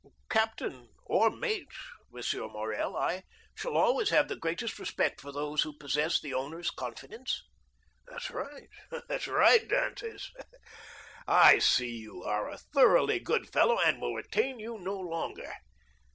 "Captain or mate, M. Morrel, I shall always have the greatest respect for those who possess the owners' confidence." "That's right, that's right, Dantès! I see you are a thoroughly good fellow, and will detain you no longer.